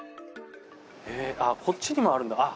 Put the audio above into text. こっちにもあるんだ。